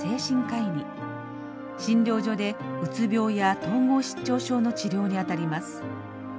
診療所でうつ病や統合失調症の治療に当たります。